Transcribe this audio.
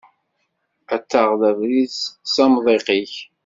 Ad taɣeḍ abrid s amḍiq-ik.